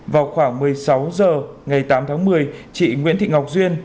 vào khoảng một mươi sáu h ngày tám tháng một mươi chị nguyễn thị ngọc duyên